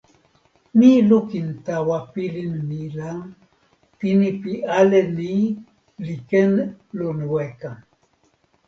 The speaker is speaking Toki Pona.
mi lukin tawa pilin mi la, pini pi ale ni li ken lon weka.